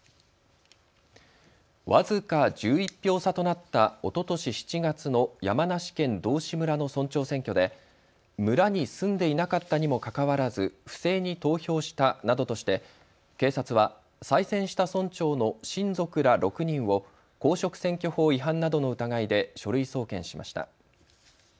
僅か１１票差となったおととし７月の山梨県道志村の村長選挙で村に住んでいなかったにもかかわらず不正に投票したなどとして警察は再選した村長の親族ら６人を公職選挙法違反などの疑いで書類送検しました。